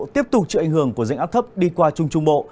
tiếp tục chịu ảnh hưởng của rãnh áp thấp đi qua trung trung bộ